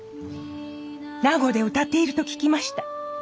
名護で歌っていると聞きました。